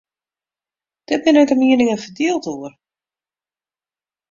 Dêr binne de mieningen ferdield oer.